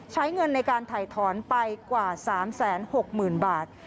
ใช้เงินในการถ่ายถอนไปกว่า๓๖๐๐๐บาท